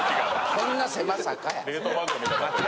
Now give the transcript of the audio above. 「こんな狭さか」や。